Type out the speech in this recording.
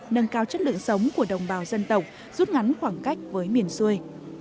nâng cao chất lượng sống của đồng bào dân tộc rút ngắn khoảng cách với miền xuôi